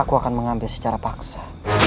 aku akan mengambil secara paksa